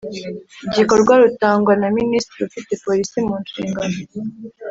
igikorwa rutangwa na Minisitiri ufite Polisi munshingano